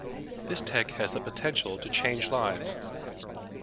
This tech has the potential to change lives.